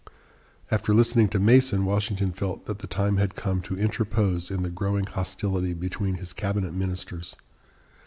After listening to Mason, Washington felt that the time had come to interpose in the growing hostility between his cabinet ministers.